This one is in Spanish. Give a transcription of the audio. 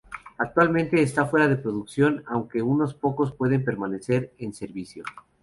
Actualmente está fuera de producción, aunque unos pocos pueden permanecer en servicio.